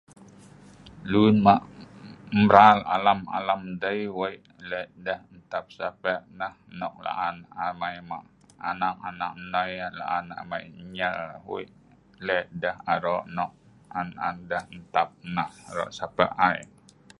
lun ma mral alam alam dei \] lun ma mral alam alam dei weik lek deh ntap sape neh nok la'an amei ma anak anak noi la'an amei nyel weik lek deh arok nok an an deh ntap nah arok sape ai